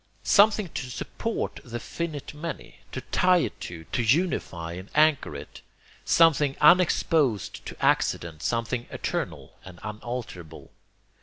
Something to support the finite many, to tie it to, to unify and anchor it. Something unexposed to accident, something eternal and unalterable.